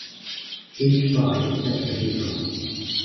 Each Si is tetrahedral.